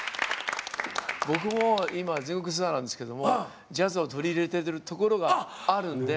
僕も今全国ツアーなんですけどもジャズを取り入れてるところがあるんで。